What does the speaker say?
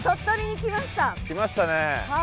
来ましたね。